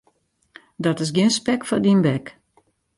Dat is gjin spek foar dyn bek.